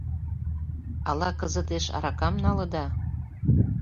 — Ала кызытеш аракам налыда?